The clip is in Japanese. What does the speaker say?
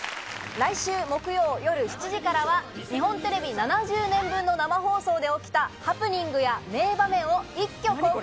来週木曜夜７時からは、日本テレビ７０年分の生放送で起きたハプニングや名場面を一挙公開。